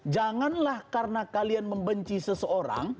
janganlah karena kalian membenci seseorang